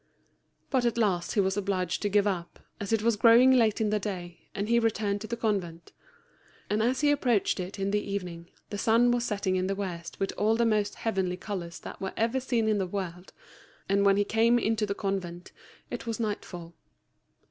But at last he was obliged to give up, as it was growing late in the day, and he returned to the convent; and as he approached it in the evening, the sun was setting in the west with all the most heavenly colours that were ever seen in the world, and when he came into the convent, it was nightfall.